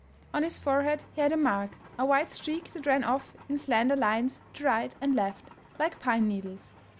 On his fore head he had a mark, a white streak that ran off in slender lines to right and left, like pine needles.